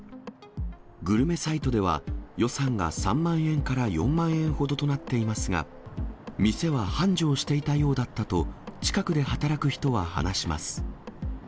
グルメサイトでは、予算が３万円から４万円ほどとなっていますが、店は繁盛していたようだったと、近くで働く人は話します。